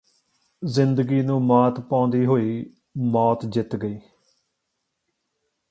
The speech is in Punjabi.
ਜ਼ਿੰਦਗੀ ਨੂੰ ਮਾਤ ਪਾਉਂਦੀ ਹੋਈ ਮੌਤ ਜਿੱਤ ਗਈ